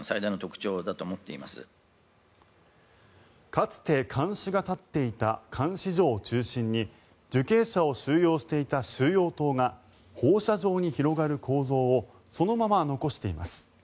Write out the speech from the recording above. かつて監守が立っていた監視所を中心に受刑者を収容していた収容棟が放射状に広がる構造をそのまま残しています。